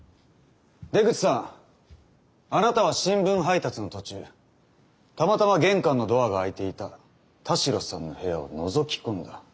出口さんあなたは新聞配達の途中たまたま玄関のドアが開いていた田代さんの部屋をのぞき込んだ。